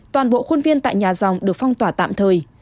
toàn bộ khuôn viên tại nhà dòng được phong tỏa tạm thời